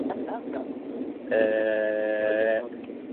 In desperation, Thor flew into the energy being, disrupting Onslaught's form.